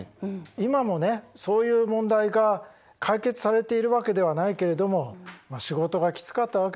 今もねそういう問題が解決されているわけではないけれども仕事がきつかったわけだ。